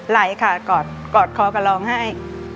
ไหลค่ะกรอบคอกลองให้